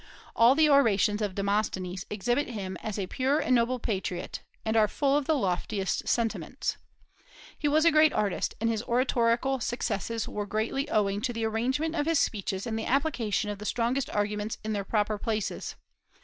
All the orations of Demosthenes exhibit him as a pure and noble patriot, and are full of the loftiest sentiments. He was a great artist, and his oratorical successes were greatly owing to the arrangement of his speeches and the application of the strongest arguments in their proper places.